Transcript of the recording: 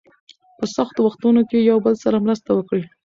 په سختو وختونو کې یو بل سره مرسته وکړئ.